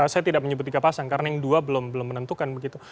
saya tidak menyebut tiga pasang karena yang dua belum menentukan begitu